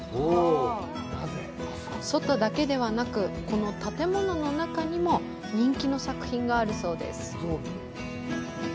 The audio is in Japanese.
外だけではなく、この建物の中にも人気の作品があるそうです。